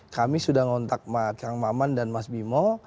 kami sudah ngontak kang maman dan mas bimo